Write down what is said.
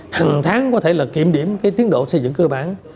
hàng tháng có thể là kiểm điểm cái tiến độ xây dựng cơ bản